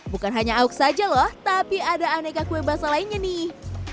bukan hanya auk saja loh tapi ada aneka kue basah lainnya nih